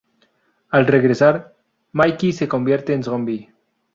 Al regresar, Mike se convierte en zombie.